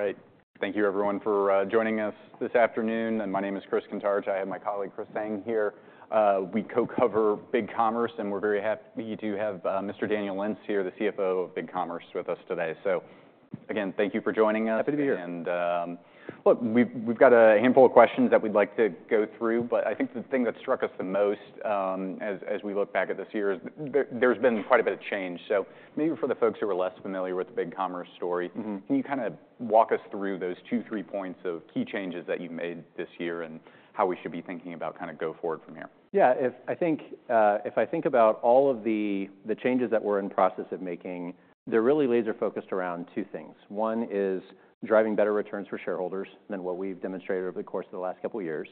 All right. Thank you, everyone, for joining us this afternoon. And my name is Chris Kuntarich. I have my colleague, Chris Huang, here. We co-cover BigCommerce, and we're very happy to have Mr. Daniel Lentz here, the CFO of BigCommerce, with us today. So, again, thank you for joining us. Happy to be here. Look, we've got a handful of questions that we'd like to go through, but I think the thing that struck us the most, as we look back at this year, is there's been quite a bit of change. Maybe for the folks who are less familiar with the BigCommerce story. Mm-hmm. Can you kinda walk us through those two, three points of key changes that you've made this year and how we should be thinking about kinda go forward from here? Yeah. If I think about all of the changes that we're in the process of making, they're really laser-focused around two things. One is driving better returns for shareholders than what we've demonstrated over the course of the last couple of years,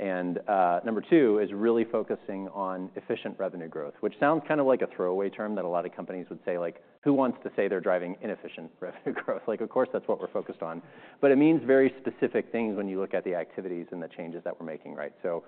and number two is really focusing on efficient revenue growth, which sounds kinda like a throwaway term that a lot of companies would say, like, who wants to say they're driving inefficient revenue growth? Like, of course, that's what we're focused on, but it means very specific things when you look at the activities and the changes that we're making, right? So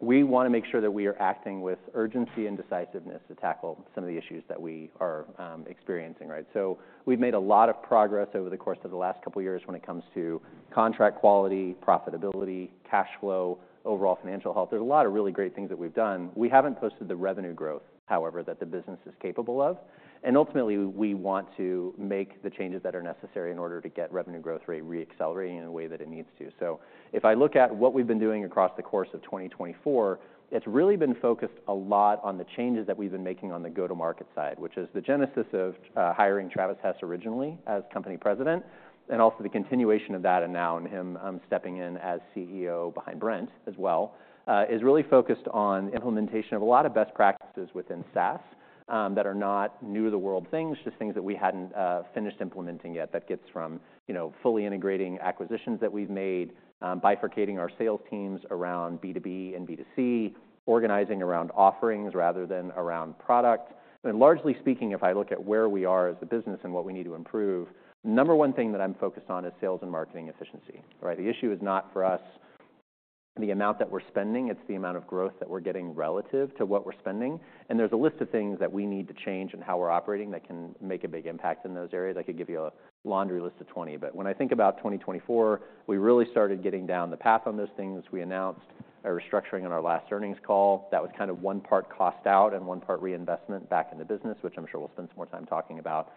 we wanna make sure that we are acting with urgency and decisiveness to tackle some of the issues that we are experiencing, right? So we've made a lot of progress over the course of the last couple of years when it comes to contract quality, profitability, cash flow, overall financial health. There's a lot of really great things that we've done. We haven't posted the revenue growth, however, that the business is capable of. And ultimately, we want to make the changes that are necessary in order to get revenue growth rate re-accelerating in a way that it needs to. So if I look at what we've been doing across the course of 2024, it's really been focused a lot on the changes that we've been making on the go-to-market side, which is the genesis of hiring Travis Hess originally as company president. Also, the continuation of that, and now him stepping in as CEO behind Brent as well, is really focused on implementation of a lot of best practices within SaaS that are not new to the world, things, just things that we hadn't finished implementing yet that gets from, you know, fully integrating acquisitions that we've made, bifurcating our sales teams around B2B and B2C, organizing around offerings rather than around product. Largely speaking, if I look at where we are as a business and what we need to improve, number one thing that I'm focused on is sales and marketing efficiency, right? The issue is not for us the amount that we're spending. It's the amount of growth that we're getting relative to what we're spending. And there's a list of things that we need to change in how we're operating that can make a big impact in those areas. I could give you a laundry list of 20. But when I think about 2024, we really started getting down the path on those things. We announced a restructuring in our last earnings call. That was kind of one part cost out and one part reinvestment back in the business, which I'm sure we'll spend some more time talking about.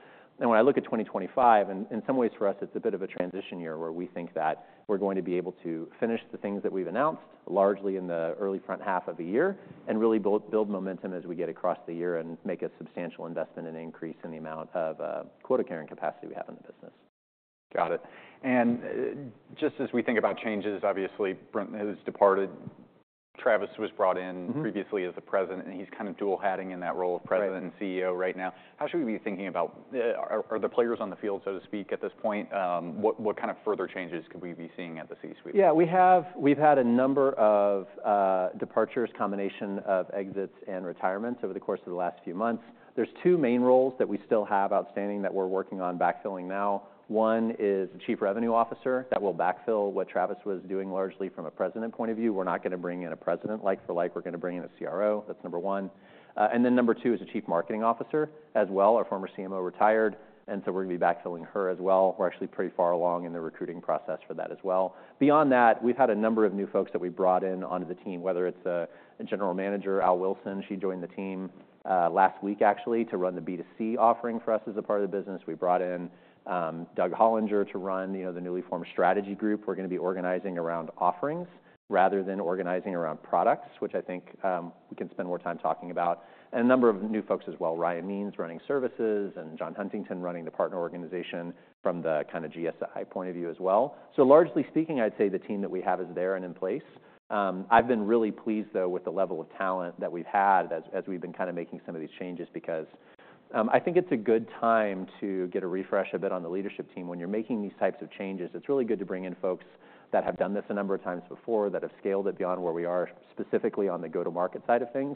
When I look at 2025, in some ways for us, it's a bit of a transition year where we think that we're going to be able to finish the things that we've announced largely in the early front half of the year and really build momentum as we get across the year and make a substantial investment and increase in the amount of quota carrying capacity we have in the business. Got it. And, just as we think about changes, obviously, Brent has departed. Travis was brought in. Mm-hmm. Previously as the president, and he's kind of dual-hatting in that role of president. Mm-hmm. CEO right now. How should we be thinking about the players on the field, so to speak, at this point? What kind of further changes could we be seeing at the C-suite? Yeah. We've had a number of departures, a combination of exits and retirements over the course of the last few months. There's two main roles that we still have outstanding that we're working on backfilling now. One is a Chief Revenue Officer that will backfill what Travis was doing largely from a president point of view. We're not gonna bring in a president like-for-like. We're gonna bring in a CRO. That's number one, and then number two is a Chief Marketing Officer as well. Our former CMO retired, and so we're gonna be backfilling her as well. We're actually pretty far along in the recruiting process for that as well. Beyond that, we've had a number of new folks that we brought in onto the team, whether it's a General Manager, Aireen Wilson. She joined the team last week actually to run the B2C offering for us as a part of the business. We brought in Doug Hollinger to run you know the newly formed strategy group. We're gonna be organizing around offerings rather than organizing around products, which I think we can spend more time talking about. And a number of new folks as well. Ryan Means running services and John Huntington running the partner organization from the kinda GSI point of view as well. So largely speaking, I'd say the team that we have is there and in place. I've been really pleased though with the level of talent that we've had as we've been kinda making some of these changes because I think it's a good time to get a refresh a bit on the leadership team. When you're making these types of changes, it's really good to bring in folks that have done this a number of times before that have scaled it beyond where we are specifically on the go-to-market side of things.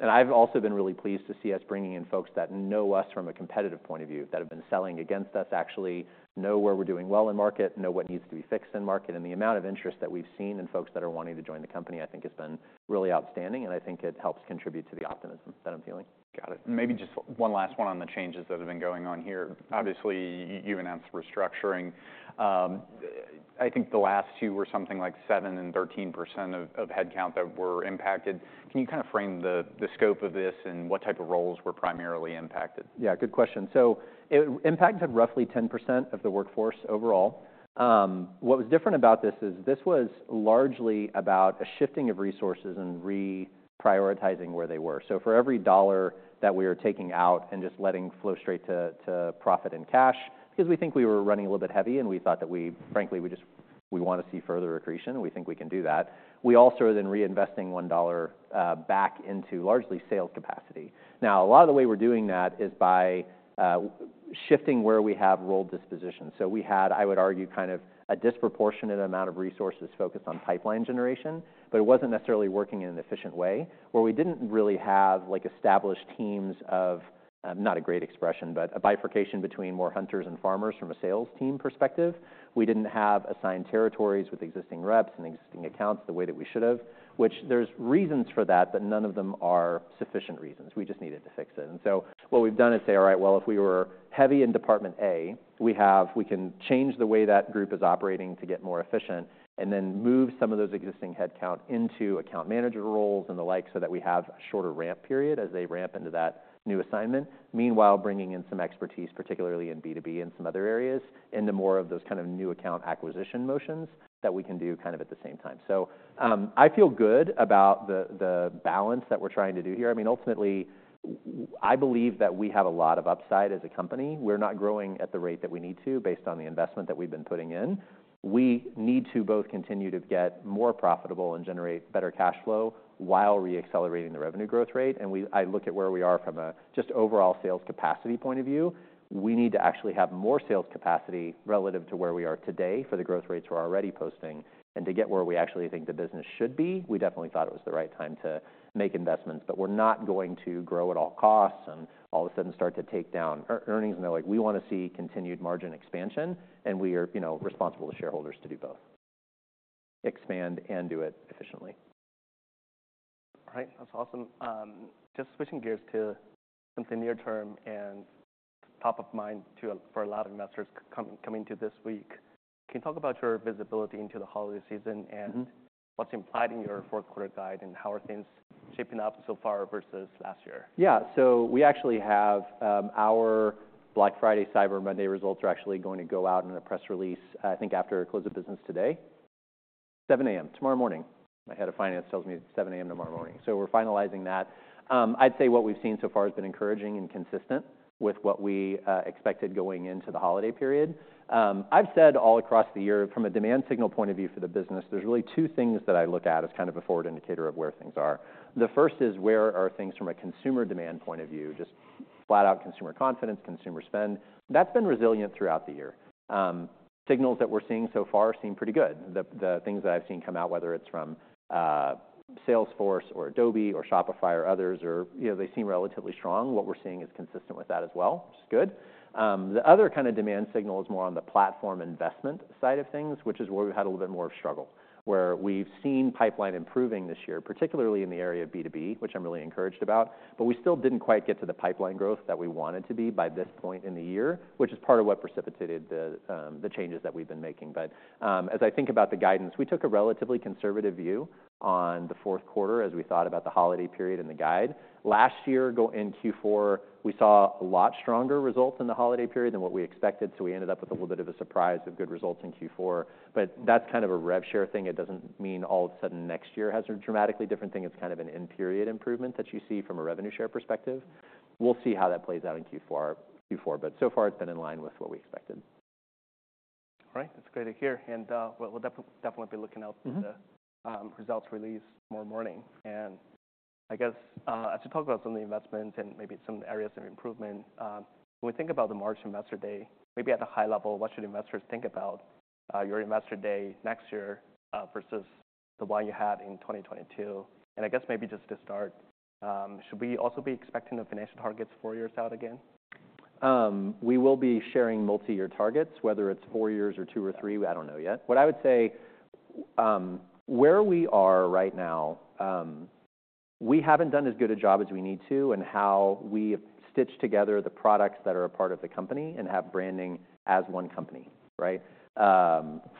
And I've also been really pleased to see us bringing in folks that know us from a competitive point of view, that have been selling against us, actually know where we're doing well in market, know what needs to be fixed in market. And the amount of interest that we've seen in folks that are wanting to join the company, I think has been really outstanding, and I think it helps contribute to the optimism that I'm feeling. Got it. And maybe just one last one on the changes that have been going on here. Obviously, you announced restructuring. I think the last two were something like 7% and 13% of headcount that were impacted. Can you kinda frame the scope of this and what type of roles were primarily impacted? Yeah. Good question. So it impacted roughly 10% of the workforce overall. What was different about this is this was largely about a shifting of resources and re-prioritizing where they were. So for every dollar that we are taking out and just letting flow straight to, to profit and cash, because we think we were running a little bit heavy and we thought that we, frankly, we just, we wanna see further accretion and we think we can do that. We also are then reinvesting $1 back into largely sales capacity. Now, a lot of the way we're doing that is by, shifting where we have role disposition. So we had, I would argue, kind of a disproportionate amount of resources focused on pipeline generation, but it wasn't necessarily working in an efficient way where we didn't really have, like, established teams of, not a great expression, but a bifurcation between more hunters and farmers from a sales team perspective. We didn't have assigned territories with existing reps and existing accounts the way that we should have, which there's reasons for that, but none of them are sufficient reasons. We just needed to fix it. And so what we've done is say, "All right. If we were heavy in department A, we can change the way that group is operating to get more efficient and then move some of those existing headcount into account manager roles and the like so that we have a shorter ramp period as they ramp into that new assignment, meanwhile bringing in some expertise, particularly in B2B and some other areas into more of those kind of new account acquisition motions that we can do kind of at the same time. So, I feel good about the balance that we're trying to do here. I mean, ultimately, I believe that we have a lot of upside as a company. We're not growing at the rate that we need to based on the investment that we've been putting in. We need to both continue to get more profitable and generate better cash flow while re-accelerating the revenue growth rate, and we, I look at where we are from a just overall sales capacity point of view. We need to actually have more sales capacity relative to where we are today for the growth rates we're already posting and to get where we actually think the business should be. We definitely thought it was the right time to make investments, but we're not going to grow at all costs and all of a sudden start to take down our earnings and they're like, "We wanna see continued margin expansion," and we are, you know, responsible to shareholders to do both, expand and do it efficiently. All right. That's awesome. Just switching gears to something near-term and top of mind for a lot of investors coming up this week. Can you talk about your visibility into the holiday season and? Mm-hmm. What's implied in your fourth quarter guide and how are things shaping up so far versus last year? Yeah. So we actually have our Black Friday Cyber Monday results are actually going to go out in a press release, I think after close of business today, 7:00 A.M. tomorrow morning. My head of finance tells me it's 7:00 A.M. tomorrow morning. So we're finalizing that. I'd say what we've seen so far has been encouraging and consistent with what we expected going into the holiday period. I've said all across the year from a demand signal point of view for the business, there's really two things that I look at as kind of a forward indicator of where things are. The first is where are things from a consumer demand point of view, just flat-out consumer confidence, consumer spend. That's been resilient throughout the year. Signals that we're seeing so far seem pretty good. The things that I've seen come out, whether it's from Salesforce or Adobe or Shopify or others, or, you know, they seem relatively strong. What we're seeing is consistent with that as well, which is good. The other kinda demand signal is more on the platform investment side of things, which is where we've had a little bit more of a struggle where we've seen pipeline improving this year, particularly in the area of B2B, which I'm really encouraged about. But we still didn't quite get to the pipeline growth that we wanted to be by this point in the year, which is part of what precipitated the changes that we've been making. But, as I think about the guidance, we took a relatively conservative view on the fourth quarter as we thought about the holiday period and the guide. Last year going into Q4, we saw a lot stronger results in the holiday period than what we expected, so we ended up with a little bit of a surprise of good results in Q4, but that's kind of a rev share thing. It doesn't mean all of a sudden next year has a dramatically different thing. It's kind of an end period improvement that you see from a revenue share perspective. We'll see how that plays out in Q4, but so far it's been in line with what we expected. All right. That's great to hear, and we'll definitely be looking out for the. Mm-hmm. Results release tomorrow morning, and I guess, as you talk about some of the investments and maybe some areas of improvement, when we think about the March investor day, maybe at a high level, what should investors think about your investor day next year versus the one you had in 2022? And I guess maybe just to start, should we also be expecting the financial targets four years out again? We will be sharing multi-year targets, whether it's four years or two or three. I don't know yet. What I would say, where we are right now, we haven't done as good a job as we need to in how we have stitched together the products that are a part of the company and have branding as one company, right?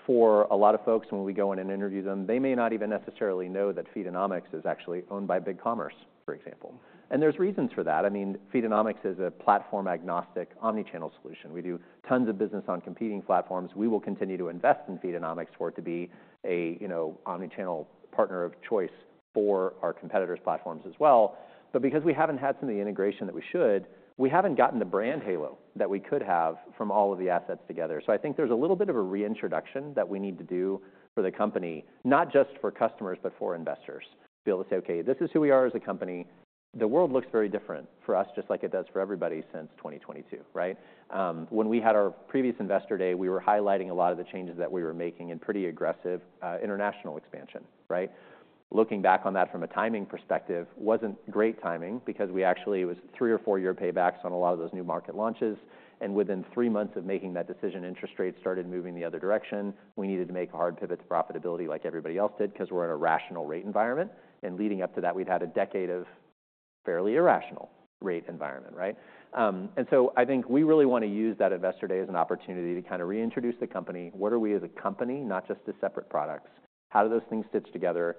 For a lot of folks, when we go in and interview them, they may not even necessarily know that Feedonomics is actually owned by BigCommerce, for example. And there's reasons for that. I mean, Feedonomics is a platform-agnostic omnichannel solution. We do tons of business on competing platforms. We will continue to invest in Feedonomics for it to be a, you know, omnichannel partner of choice for our competitors' platforms as well. But because we haven't had some of the integration that we should, we haven't gotten the brand halo that we could have from all of the assets together. So I think there's a little bit of a reintroduction that we need to do for the company, not just for customers but for investors, to be able to say, "Okay. This is who we are as a company. The world looks very different for us, just like it does for everybody since 2022," right? When we had our previous investor day, we were highlighting a lot of the changes that we were making in pretty aggressive, international expansion, right? Looking back on that from a timing perspective, wasn't great timing because actually it was three- or four-year paybacks on a lot of those new market launches. And within three months of making that decision, interest rates started moving the other direction. We needed to make a hard pivot to profitability like everybody else did 'cause we're in a rational rate environment. And leading up to that, we'd had a decade of fairly irrational rate environment, right? And so I think we really wanna use that investor day as an opportunity to kinda reintroduce the company. What are we as a company, not just the separate products? How do those things stitch together?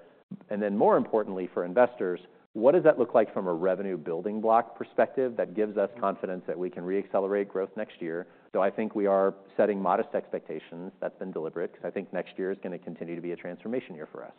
And then more importantly for investors, what does that look like from a revenue building block perspective that gives us confidence that we can re-accelerate growth next year? So I think we are setting modest expectations. That's been deliberate 'cause I think next year is gonna continue to be a transformation year for us.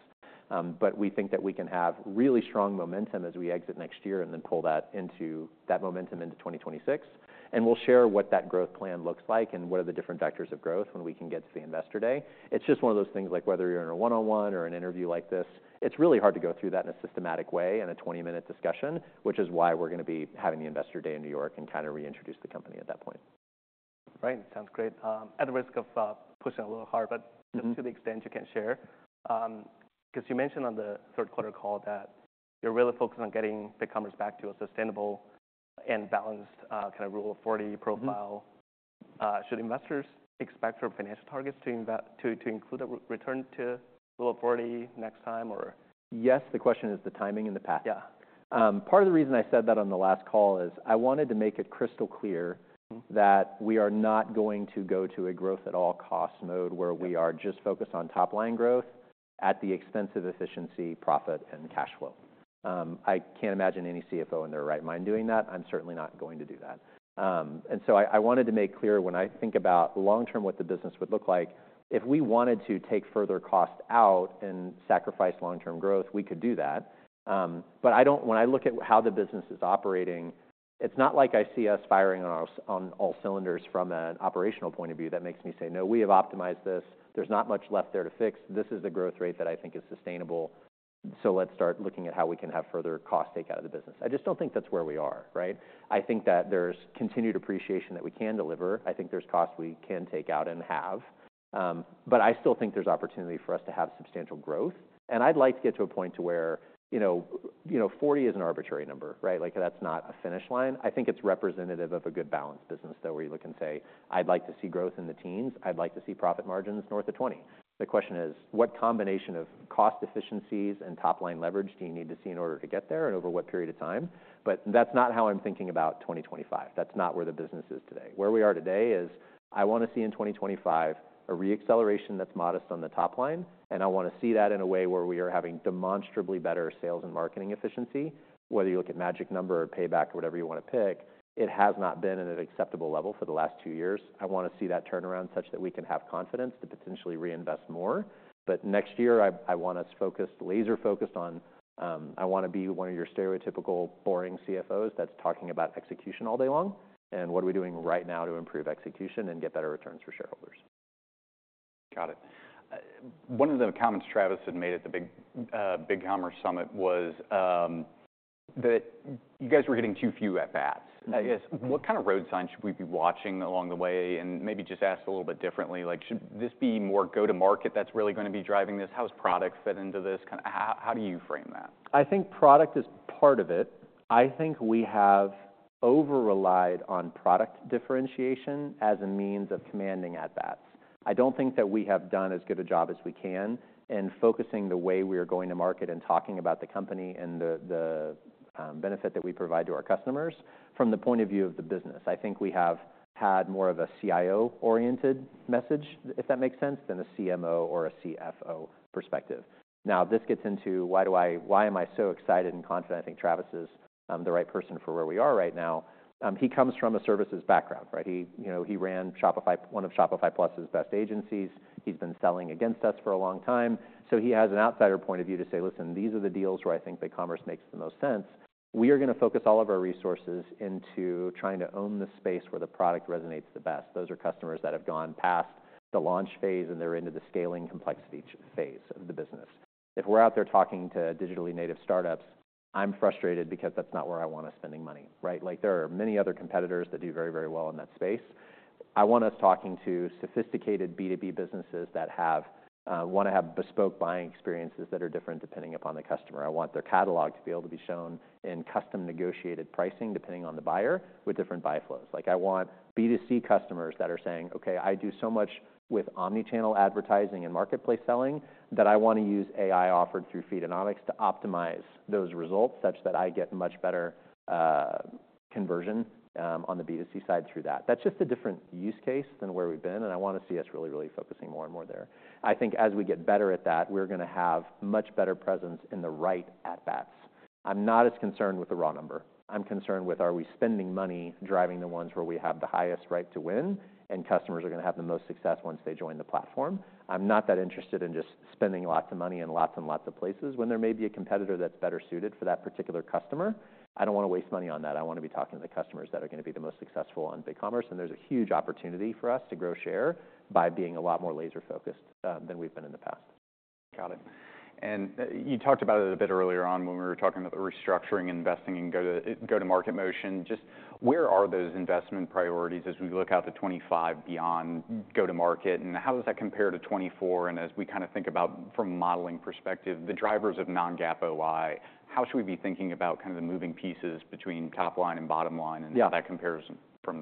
But we think that we can have really strong momentum as we exit next year and then pull that into that momentum into 2026. And we'll share what that growth plan looks like and what are the different vectors of growth when we can get to the investor day. It's just one of those things like whether you're in a one-on-one or an interview like this, it's really hard to go through that in a systematic way in a 20-minute discussion, which is why we're gonna be having the investor day in New York and kinda reintroduce the company at that point. Right. Sounds great. At the risk of pushing a little hard, but. Mm-hmm. Just to the extent you can share, 'cause you mentioned on the third quarter call that you're really focused on getting BigCommerce back to a sustainable and balanced, kinda Rule of 40 profile. Mm-hmm. Should investors expect from financial targets to include a return to Rule of 40 next time, or? Yes. The question is the timing and the path. Yeah. Part of the reason I said that on the last call is I wanted to make it crystal clear. Mm-hmm. That we are not going to go to a growth-at-all-cost mode where we are just focused on top-line growth at the expense of efficiency, profit, and cash flow. I can't imagine any CFO in their right mind doing that. I'm certainly not going to do that. And so I wanted to make clear when I think about long-term what the business would look like, if we wanted to take further cost out and sacrifice long-term growth, we could do that. But I don't. When I look at how the business is operating, it's not like I see us firing on all cylinders from an operational point of view that makes me say, "No. We have optimized this. There's not much left there to fix. This is the growth rate that I think is sustainable, so let's start looking at how we can have further cost take out of the business." I just don't think that's where we are, right? I think that there's continued appreciation that we can deliver. I think there's cost we can take out and have, but I still think there's opportunity for us to have substantial growth, and I'd like to get to a point to where, you know, you know, 40 is an arbitrary number, right? Like, that's not a finish line. I think it's representative of a good balanced business though where you look and say, "I'd like to see growth in the teens. I'd like to see profit margins north of 20%." The question is what combination of cost efficiencies and top-line leverage do you need to see in order to get there and over what period of time? But that's not how I'm thinking about 2025. That's not where the business is today. Where we are today is I wanna see in 2025 a re-acceleration that's modest on the top line, and I wanna see that in a way where we are having demonstrably better sales and marketing efficiency, whether you look at magic number or payback or whatever you wanna pick. It has not been at an acceptable level for the last two years. I wanna see that turnaround such that we can have confidence to potentially reinvest more. But next year, I wanna focus laser-focused on. I wanna be one of your stereotypical boring CFOs that's talking about execution all day long and what are we doing right now to improve execution and get better returns for shareholders. Got it. One of the comments Travis had made at the BigCommerce Summit was that you guys were getting too few at bats. Mm-hmm. I guess what kinda road signs should we be watching along the way? And maybe just ask a little bit differently, like, should this be more go-to-market that's really gonna be driving this? How's product fit into this? Kinda how, how do you frame that? I think product is part of it. I think we have over-relied on product differentiation as a means of commanding at bats. I don't think that we have done as good a job as we can in focusing the way we are going to market and talking about the company and the benefit that we provide to our customers from the point of view of the business. I think we have had more of a CIO-oriented message, if that makes sense, than a CMO or a CFO perspective. Now, this gets into why am I so excited and confident? I think Travis is the right person for where we are right now. He comes from a services background, right? He, you know, he ran Shopify, one of Shopify Plus's best agencies. He's been selling against us for a long time. So he has an outsider point of view to say, "Listen, these are the deals where I think BigCommerce makes the most sense. We are gonna focus all of our resources into trying to own the space where the product resonates the best." Those are customers that have gone past the launch phase and they're into the scaling complexity phase of the business. If we're out there talking to digitally native startups, I'm frustrated because that's not where I wanna spending money, right? Like, there are many other competitors that do very, very well in that space. I want us talking to sophisticated B2B businesses that have, wanna have bespoke buying experiences that are different depending upon the customer. I want their catalog to be able to be shown in custom negotiated pricing depending on the buyer with different buy flows. Like, I want B2C customers that are saying, "Okay. I do so much with omnichannel advertising and marketplace selling that I wanna use AI offered through Feedonomics to optimize those results such that I get much better conversion on the B2C side through that. That's just a different use case than where we've been, and I wanna see us really, really focusing more and more there. I think as we get better at that, we're gonna have much better presence in the right at bats. I'm not as concerned with the raw number. I'm concerned with are we spending money driving the ones where we have the highest right to win and customers are gonna have the most success once they join the platform. I'm not that interested in just spending lots of money in lots and lots of places when there may be a competitor that's better suited for that particular customer. I don't wanna waste money on that. I wanna be talking to the customers that are gonna be the most successful on BigCommerce, and there's a huge opportunity for us to grow share by being a lot more laser-focused than we've been in the past. Got it. And, you talked about it a bit earlier on when we were talking about the restructuring investing and go-to-market motion. Just where are those investment priorities as we look out to 2025 beyond go-to-market, and how does that compare to 2024? And as we kinda think about from a modeling perspective, the drivers of non-GAAP OI, how should we be thinking about kinda the moving pieces between top line and bottom line and. Yeah. How that compares from 2024 to 2025? Let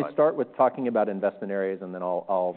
me start with talking about investment areas, and then I'll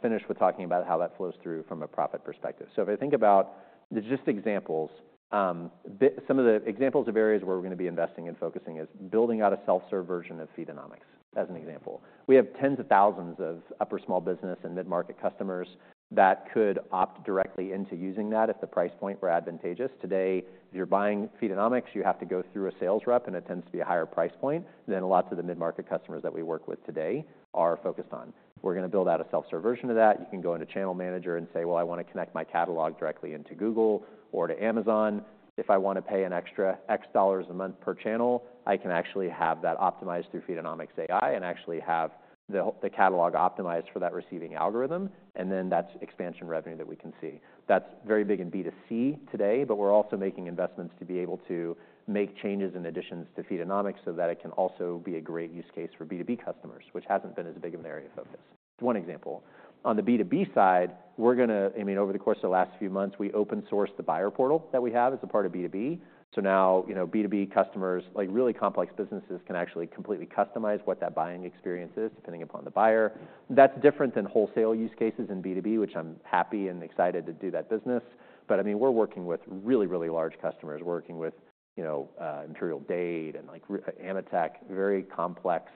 finish with talking about how that flows through from a profit perspective. So if I think about just some of the examples of areas where we're gonna be investing and focusing is building out a self-serve version of Feedonomics as an example. We have tens of thousands of upper small business and mid-market customers that could opt directly into using that if the price point were advantageous. Today, if you're buying Feedonomics, you have to go through a sales rep, and it tends to be a higher price point than lots of the mid-market customers that we work with today are focused on. We're gonna build out a self-serve version of that. You can go into Channel Manager and say, "Well, I wanna connect my catalog directly into Google or to Amazon. If I wanna pay an extra $X a month per channel, I can actually have that optimized through Feedonomics AI and actually have the catalog optimized for that receiving algorithm. Then that's expansion revenue that we can see. That's very big in B2C today, but we're also making investments to be able to make changes and additions to Feedonomics so that it can also be a great use case for B2B customers, which hasn't been as big of an area of focus. One example. On the B2B side, we're gonna I mean, over the course of the last few months, we open-sourced the Buyer Portal that we have as a part of B2B. So now, you know, B2B customers, like really complex businesses, can actually completely customize what that buying experience is depending upon the buyer. That's different than wholesale use cases in B2B, which I'm happy and excited to do that business. But I mean, we're working with really, really large customers. We're working with, you know, Imperial Dade and, like, AMETEK, very complex,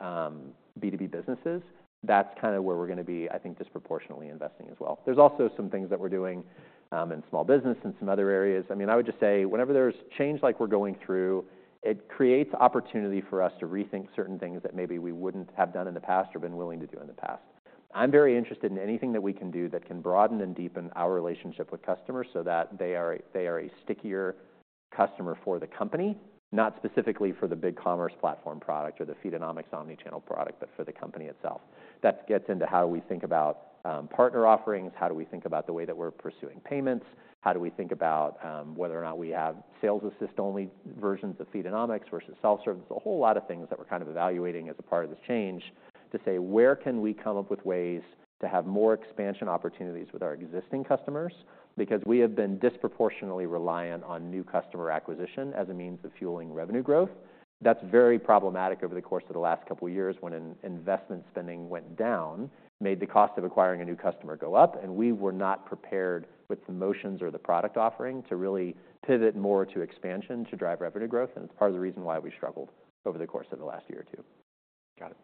B2B businesses. That's kinda where we're gonna be, I think, disproportionately investing as well. There's also some things that we're doing, in small business and some other areas. I mean, I would just say whenever there's change like we're going through, it creates opportunity for us to rethink certain things that maybe we wouldn't have done in the past or been willing to do in the past. I'm very interested in anything that we can do that can broaden and deepen our relationship with customers so that they are a stickier customer for the company, not specifically for the BigCommerce platform product or the Feedonomics omnichannel product, but for the company itself. That gets into how we think about partner offerings, how we think about the way that we're pursuing payments, how we think about whether or not we have sales assist-only versions of Feedonomics versus self-serve. There's a whole lot of things that we're kind of evaluating as a part of this change to say, "Where can we come up with ways to have more expansion opportunities with our existing customers?" Because we have been disproportionately reliant on new customer acquisition as a means of fueling revenue growth. That's very problematic over the course of the last couple of years when an investment spending went down, made the cost of acquiring a new customer go up, and we were not prepared with the motions or the product offering to really pivot more to expansion to drive revenue growth, and it's part of the reason why we struggled over the course of the last year or two. Got it.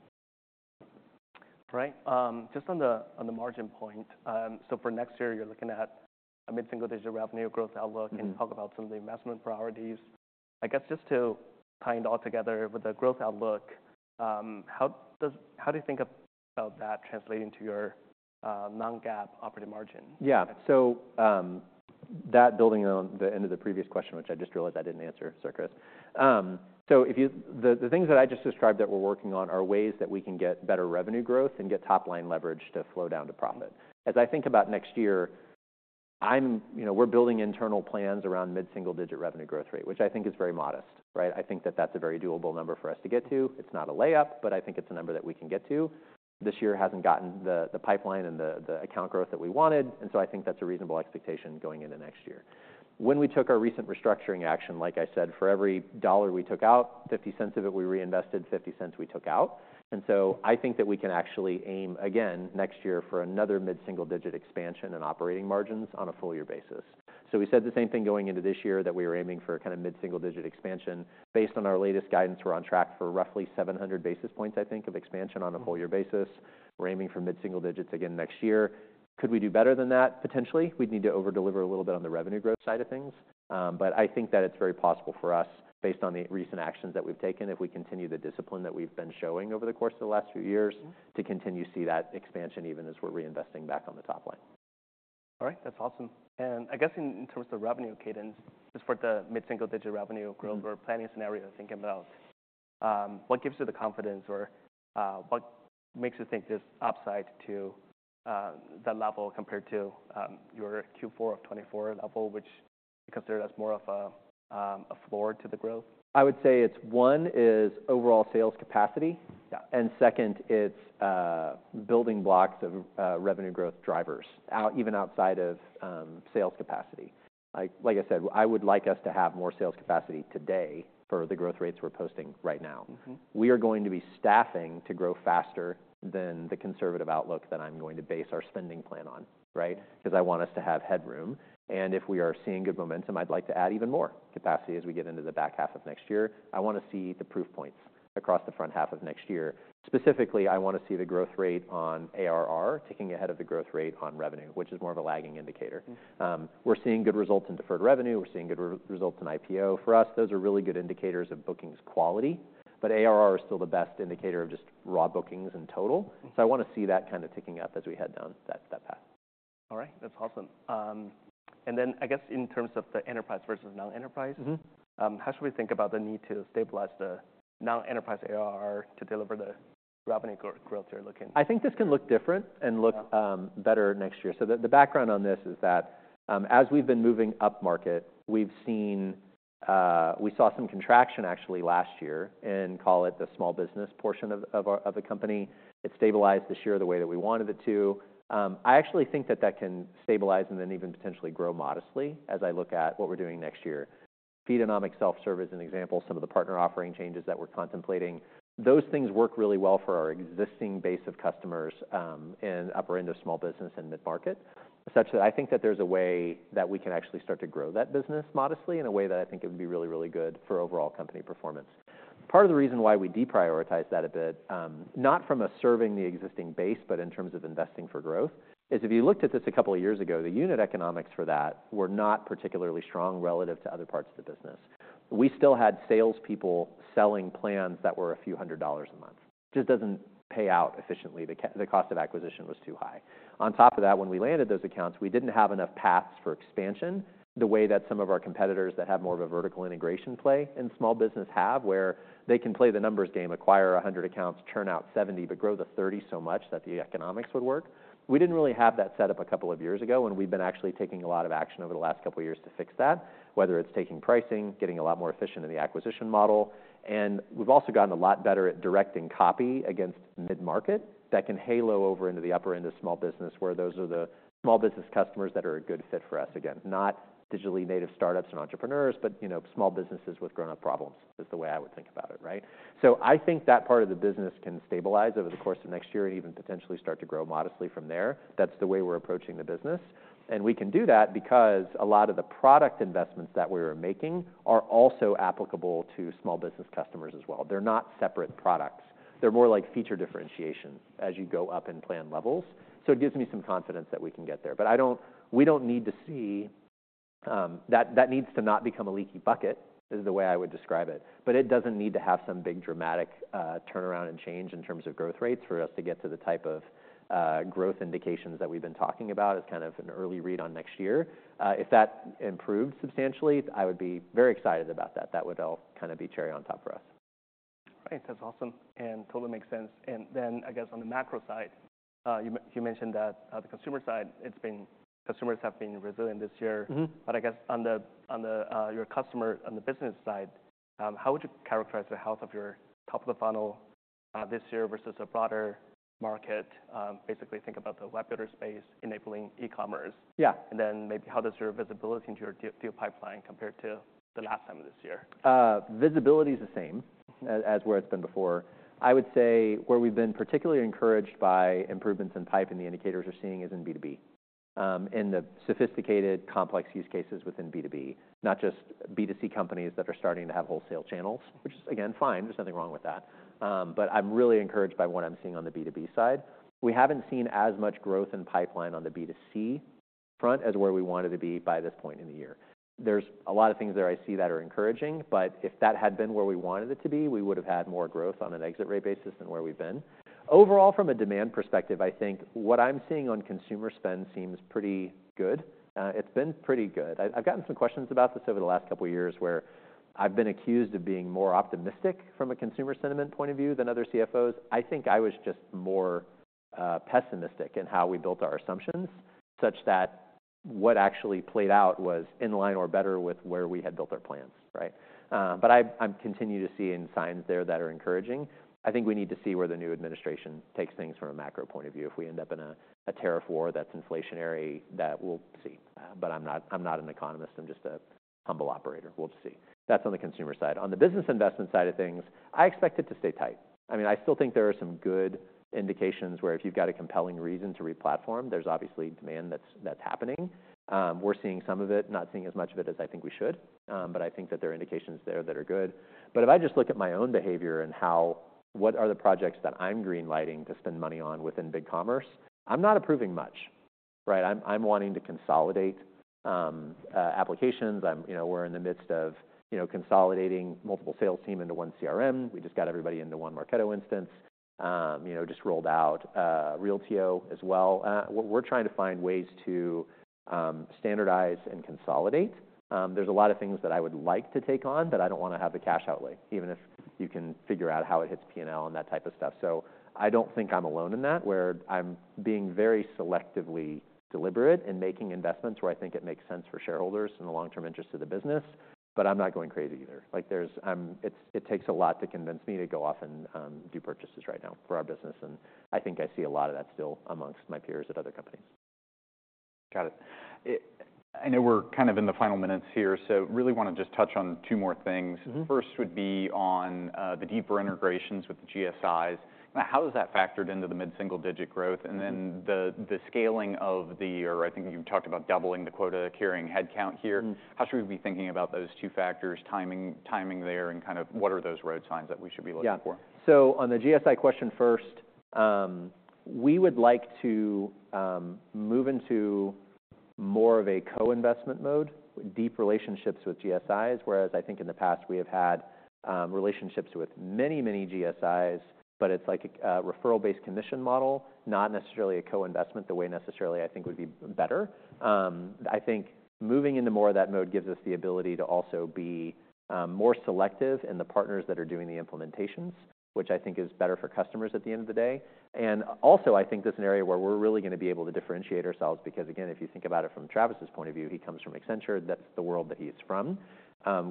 All right. Just on the margin point, so for next year, you're looking at a mid-single-digit revenue growth outlook. Mm-hmm. Talk about some of the investment priorities. I guess just to tie it all together with the growth outlook, how do you think about that translating to your non-GAAP operating margin? Yeah, so that building on the end of the previous question, which I just realized I didn't answer, Sir Chris, so the things that I just described that we're working on are ways that we can get better revenue growth and get top-line leverage to flow down to profit. As I think about next year, I'm, you know, we're building internal plans around mid-single-digit revenue growth rate, which I think is very modest, right? I think that that's a very doable number for us to get to. It's not a layup, but I think it's a number that we can get to. This year hasn't gotten the pipeline and the account growth that we wanted, and so I think that's a reasonable expectation going into next year. When we took our recent restructuring action, like I said, for every $1 we took out, $0.50 of it we reinvested, $0.50 we took out. And so I think that we can actually aim, again, next year for another mid-single-digit expansion in operating margins on a full-year basis. So we said the same thing going into this year that we were aiming for a kinda mid-single-digit expansion. Based on our latest guidance, we're on track for roughly 700 basis points, I think, of expansion on a full-year basis. We're aiming for mid-single digits again next year. Could we do better than that? Potentially. We'd need to over-deliver a little bit on the revenue growth side of things. But I think that it's very possible for us, based on the recent actions that we've taken, if we continue the discipline that we've been showing over the course of the last few years. Mm-hmm. To continue to see that expansion even as we're reinvesting back on the top line. All right. That's awesome. And I guess in terms of revenue cadence, just for the mid-single-digit revenue growth. Mm-hmm. We're planning a scenario thinking about what gives you the confidence or what makes you think there's upside to that level compared to your Q4 of 2024 level, which you consider that's more of a floor to the growth? I would say it's one is overall sales capacity. Yeah. And second, it's building blocks of revenue growth drivers out even outside of sales capacity. Like I said, I would like us to have more sales capacity today for the growth rates we're posting right now. Mm-hmm. We are going to be staffing to grow faster than the conservative outlook that I'm going to base our spending plan on, right? Because I want us to have headroom, and if we are seeing good momentum, I'd like to add even more capacity as we get into the back half of next year. I wanna see the proof points across the front half of next year. Specifically, I wanna see the growth rate on ARR ticking ahead of the growth rate on revenue, which is more of a lagging indicator. Mm-hmm. We're seeing good results in deferred revenue. We're seeing good results in RPO. For us, those are really good indicators of bookings quality, but ARR is still the best indicator of just raw bookings in total. Mm-hmm. So I wanna see that kinda ticking up as we head down that path. All right. That's awesome, and then I guess in terms of the enterprise versus non-enterprise. Mm-hmm. How should we think about the need to stabilize the non-enterprise ARR to deliver the revenue growth you're looking? I think this can look different. Yeah. better next year. So the background on this is that, as we've been moving up market, we've seen, we saw some contraction actually last year in, call it, the small business portion of our company. It stabilized this year the way that we wanted it to. I actually think that that can stabilize and then even potentially grow modestly as I look at what we're doing next year. Feedonomics self-serve as an example, some of the partner offering changes that we're contemplating, those things work really well for our existing base of customers, in upper-end of small business and mid-market such that I think that there's a way that we can actually start to grow that business modestly in a way that I think it would be really, really good for overall company performance. Part of the reason why we deprioritize that a bit, not from a serving the existing base, but in terms of investing for growth, is if you looked at this a couple of years ago, the unit economics for that were not particularly strong relative to other parts of the business. We still had salespeople selling plans that were a few hundred dollars a month. It just doesn't pay out efficiently. The cost of acquisition was too high. On top of that, when we landed those accounts, we didn't have enough paths for expansion the way that some of our competitors that have more of a vertical integration play in small business have where they can play the numbers game, acquire 100 accounts, churn out 70, but grow the 30 so much that the economics would work. We didn't really have that set up a couple of years ago, and we've been actually taking a lot of action over the last couple of years to fix that, whether it's taking pricing, getting a lot more efficient in the acquisition model. And we've also gotten a lot better at directing copy against mid-market that can halo over into the upper-end of small business where those are the small business customers that are a good fit for us again. Not digitally native startups and entrepreneurs, but, you know, small businesses with grown-up problems is the way I would think about it, right? So I think that part of the business can stabilize over the course of next year and even potentially start to grow modestly from there. That's the way we're approaching the business. We can do that because a lot of the product investments that we're making are also applicable to small business customers as well. They're not separate products. They're more like feature differentiation as you go up in plan levels. It gives me some confidence that we can get there. We don't need to see that. That needs to not become a leaky bucket is the way I would describe it. It doesn't need to have some big dramatic turnaround and change in terms of growth rates for us to get to the type of growth indications that we've been talking about as kind of an early read on next year. If that improved substantially, I would be very excited about that. That would all kinda be cherry on top for us. All right. That's awesome and totally makes sense. And then I guess on the macro side, you mentioned that, the consumer side, consumers have been resilient this year. Mm-hmm. But I guess on the your customer on the business side, how would you characterize the health of your top of the funnel this year versus a broader market? Basically think about the web builder space enabling e-commerce. Yeah. Maybe how does your visibility into your deal pipeline compared to the last time of this year? Visibility's the same. Mm-hmm. Where it's been before. I would say where we've been particularly encouraged by improvements in pipe and the indicators we're seeing is in B2B, in the sophisticated complex use cases within B2B, not just B2C companies that are starting to have wholesale channels, which is, again, fine. There's nothing wrong with that, but I'm really encouraged by what I'm seeing on the B2B side. We haven't seen as much growth in pipeline on the B2C front as where we wanted to be by this point in the year. There's a lot of things there I see that are encouraging, but if that had been where we wanted it to be, we would've had more growth on an exit rate basis than where we've been. Overall, from a demand perspective, I think what I'm seeing on consumer spend seems pretty good. It's been pretty good. I've gotten some questions about this over the last couple of years where I've been accused of being more optimistic from a consumer sentiment point of view than other CFOs. I think I was just more pessimistic in how we built our assumptions such that what actually played out was in line or better with where we had built our plans, right? But I'm continuing to see signs there that are encouraging. I think we need to see where the new administration takes things from a macro point of view if we end up in a tariff war that's inflationary. That, we'll see. But I'm not an economist. I'm just a humble operator. We'll just see. That's on the consumer side. On the business investment side of things, I expect it to stay tight. I mean, I still think there are some good indications where if you've got a compelling reason to replatform, there's obviously demand that's happening. We're seeing some of it, not seeing as much of it as I think we should, but I think that there are indications there that are good, but if I just look at my own behavior and how what are the projects that I'm greenlighting to spend money on within BigCommerce, I'm not approving much, right? I'm wanting to consolidate applications. You know, we're in the midst of you know, consolidating multiple sales team into one CRM. We just got everybody into one Marketo instance, you know, just rolled out Reltio as well. We're trying to find ways to standardize and consolidate. There's a lot of things that I would like to take on that I don't wanna have the cash outlay, even if you can figure out how it hits P&L and that type of stuff. So I don't think I'm alone in that where I'm being very selectively deliberate in making investments where I think it makes sense for shareholders and the long-term interest of the business, but I'm not going crazy either. Like, it takes a lot to convince me to go off and do purchases right now for our business. I think I see a lot of that still amongst my peers at other companies. Got it. I know we're kind of in the final minutes here, so really wanna just touch on two more things. Mm-hmm. First would be on the deeper integrations with the GSIs. Kinda how has that factored into the mid-single-digit growth? And then the scaling of the, or I think you talked about doubling the quota-carrying headcount here. Mm-hmm. How should we be thinking about those two factors, timing there and kind of what are those road signs that we should be looking for? Yeah. So on the GSI question first, we would like to move into more of a co-investment mode, deep relationships with GSIs, whereas I think in the past we have had relationships with many, many GSIs, but it's like a referral-based commission model, not necessarily a co-investment the way necessarily I think would be better. I think moving into more of that mode gives us the ability to also be more selective in the partners that are doing the implementations, which I think is better for customers at the end of the day. And also, I think there's an area where we're really gonna be able to differentiate ourselves because, again, if you think about it from Travis's point of view, he comes from Accenture. That's the world that he's from.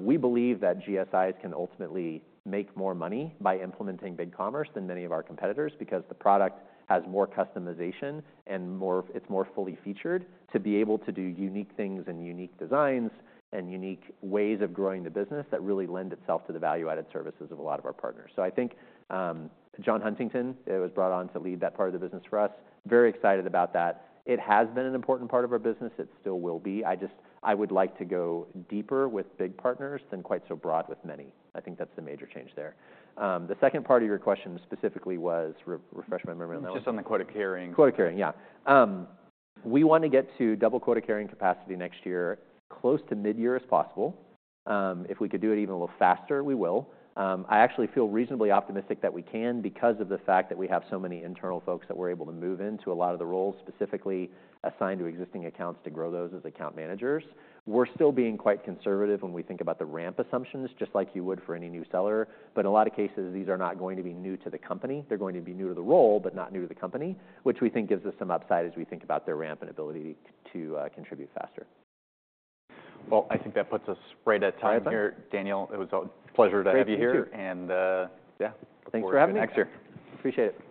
We believe that GSIs can ultimately make more money by implementing BigCommerce than many of our competitors because the product has more customization and more. It's more fully featured to be able to do unique things and unique designs and unique ways of growing the business that really lend itself to the value-added services of a lot of our partners. So I think, John Huntington, was brought on to lead that part of the business for us. Very excited about that. It has been an important part of our business. It still will be. I just would like to go deeper with big partners than quite so broad with many. I think that's the major change there. The second part of your question specifically was. Refresh my memory on that one. It was just on the quota carrying. Quota carrying, yeah. We wanna get to double quota carrying capacity next year, close to mid-year as possible. If we could do it even a little faster, we will. I actually feel reasonably optimistic that we can because of the fact that we have so many internal folks that we're able to move into a lot of the roles, specifically assigned to existing accounts to grow those as account managers. We're still being quite conservative when we think about the ramp assumptions, just like you would for any new seller. But in a lot of cases, these are not going to be new to the company. They're going to be new to the role, but not new to the company, which we think gives us some upside as we think about their ramp and ability to contribute faster. Well, I think that puts us right at time. All right. Here, Daniel. It was a pleasure to have you here. Thank you. And, yeah. Thanks for having me. Next year. Appreciate it.